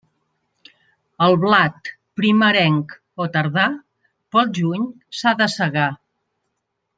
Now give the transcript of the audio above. El blat, primerenc o tardà, pel juny s'ha de segar.